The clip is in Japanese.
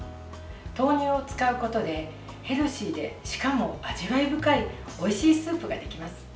豆乳を使うことでヘルシーで、しかも味わい深いおいしいスープができます。